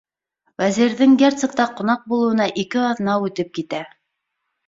Вәзирҙең герцогта ҡунаҡ булыуына ике аҙна үтеп китә.